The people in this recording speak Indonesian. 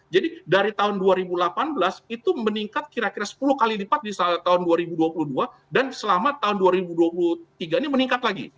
jadi dari tahun dua ribu delapan belas itu meningkat kira kira sepuluh kali lipat di tahun dua ribu dua puluh dua dan selama tahun dua ribu dua puluh tiga ini meningkat lagi